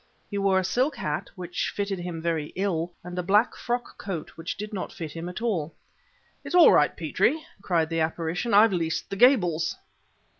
He wore a silk hat, which fitted him very ill, and a black frock coat which did not fit him at all. "It's all right, Petrie!" cried the apparition; "I've leased the Gables!"